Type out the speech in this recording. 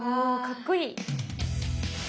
かっこいい！